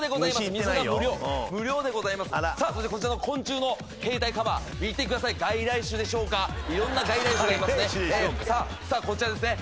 水が無料無料でございますさあそしてこちらの昆虫の携帯カバー見てください色んな外来種がいますねさあこちらですね